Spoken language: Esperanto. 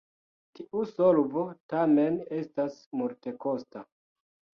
Tiu solvo tamen estas multekosta.